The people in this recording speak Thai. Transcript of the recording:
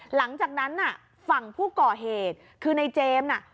หลังจากนั้นน่ะฝั่งผู้ก่อเหตุคือในเจมส์น่ะ